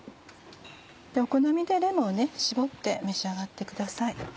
お好みでレモンを搾って召し上がってください。